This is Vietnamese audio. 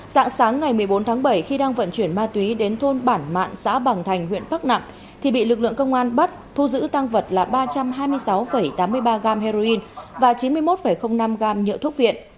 dạng sáng ngày một mươi bốn tháng bảy khi đang vận chuyển ma túy đến thôn bản mạng xã bằng thành huyện bắc nặng thì bị lực lượng công an bắt thu giữ tăng vật là ba trăm hai mươi sáu tám mươi ba gam heroin và chín mươi một năm gam nhựa thuốc viện